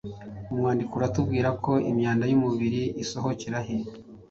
Umwandiko uratubwira ko imyanda y’umubiri isohokera he?